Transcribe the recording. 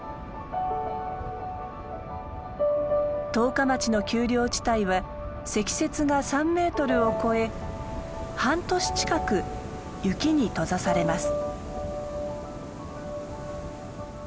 十日町の丘陵地帯は積雪が３メートルを超え半年近く雪に閉ざされます。